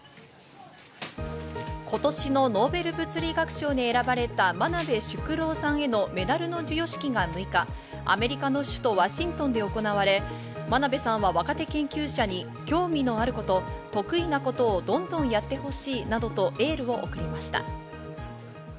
今年のノーベル物理学賞に選ばれた真鍋淑郎さんへのメダルの授与式が６日、アメリカの首都・ワシントンで行われ、真鍋さんは若手研究者に、興味のあること、得意なことをどんどんやってほしいなどとエールを送りました。